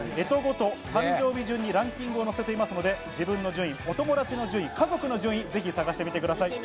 誕生日順にランキングを載せていますので、自分の順位、お友達の順位、家族の順位、ぜひ探してみてください。